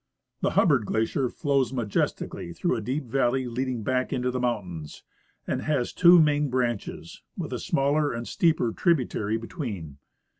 The Hubbard glacier flows majestically through a deep valley leading back into the mountains, and has two main branches, with a smaller and steelier tributary between.